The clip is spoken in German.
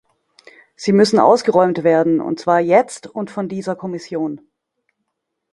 Sie müssen ausgeräumt werden, und zwar jetzt und von dieser Kommission.